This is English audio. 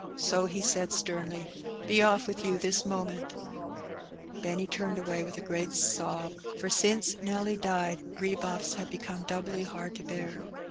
So he said sternly— ''Be off with you this moment !" Benny turned away with a great sob, for since Nelly died rebuffs had become doubly hard to bear.